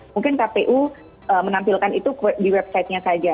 mungkin kpu menampilkan itu di website nya saja